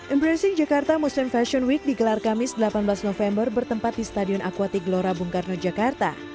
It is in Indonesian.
embracing jakarta muslim fashion week digelar kamis delapan belas november bertempat di stadion akuatik gelora bung karno jakarta